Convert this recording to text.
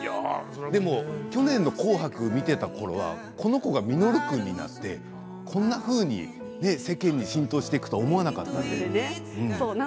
でも去年の「紅白」を見ていたころはこの子が稔君になってこんなふうに世間に浸透していくとは思わなかったんですよね。